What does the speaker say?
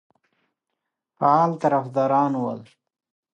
فعال طرفداران ول.